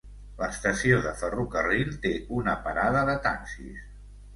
L'estació de ferrocarril té una parada de taxis.